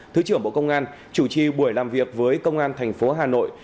thứ trưởng bộ công an chủ trì buổi làm việc với công an tp hà nội